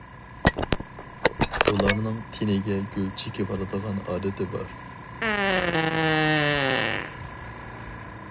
ئۇلارنىڭ تېنىگە گۈل چېكىۋالىدىغان ئادىتى بار.